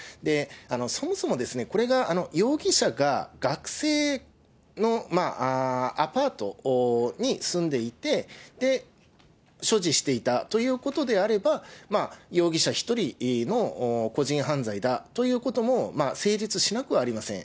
そもそも、これが容疑者が学生のアパートに住んでいて、所持していたということであれば、容疑者１人の個人犯罪だということも成立しなくはありません。